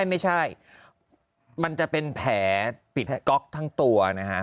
ไม่ใช่มันจะเป็นแผลปิดก๊อกทั้งตัวนะฮะ